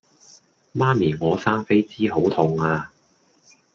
媽咪我生痱滋好痛呀